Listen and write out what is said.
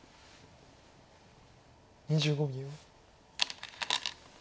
２５秒。